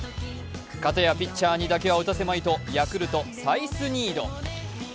片やピッチャーだけには打たせまいと、ヤクルト・サイスニード。